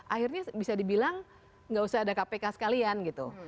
akhirnya bisa dibilang nggak usah ada kpk sekalian gitu